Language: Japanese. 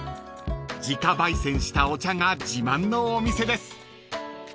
［自家焙煎したお茶が自慢のお店です］